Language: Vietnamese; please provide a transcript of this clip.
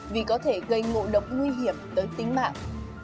vì có thể gây ngộ độc nguy hiểm tới tính mạng